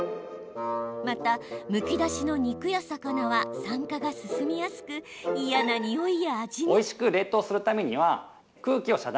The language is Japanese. また、むき出しの肉や魚は酸化が進みやすく嫌なにおいや味に。